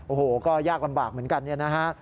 โอ้โหก็ยากลำบากเหมือนกันเนี่ยนะฮะ